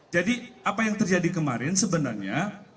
jadi apa yang terjadi kemarin sebenarnya